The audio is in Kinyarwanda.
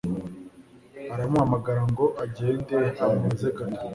aramuhamaagara ngo agende amubaze gato